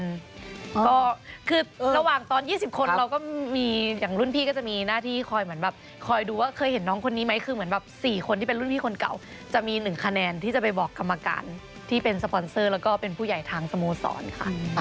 ก็คือระหว่างตอน๒๐คนเราก็มีอย่างรุ่นพี่ก็จะมีหน้าที่คอยเหมือนแบบคอยดูว่าเคยเห็นน้องคนนี้ไหมคือเหมือนแบบ๔คนที่เป็นรุ่นพี่คนเก่าจะมี๑คะแนนที่จะไปบอกกรรมการที่เป็นสปอนเซอร์แล้วก็เป็นผู้ใหญ่ทางสโมสรค่ะ